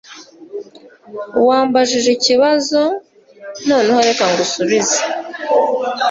Wambajije ikibazo. Noneho, reka ngusubize.